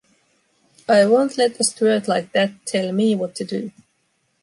I won’t let a squirt like that tell me what to do.